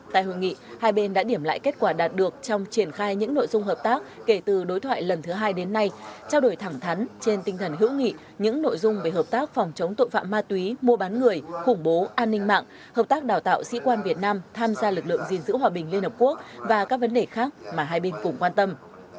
tại hội nghị hai bên đã điểm lại kết quả đạt được trong triển khai những nội dung hợp tác kể từ đối thoại lần thứ hai đến nay trao đổi thẳng thắn trên tinh thần hữu nghị những nội dung về hợp tác phòng chống tội phạm ma túy mua bán người khủng bố an ninh mạng hợp tác đào tạo sĩ quan việt nam tham gia lực lượng gìn giữ hòa bình liên hợp quốc và các vấn đề khác mà hai bên cùng quan tâm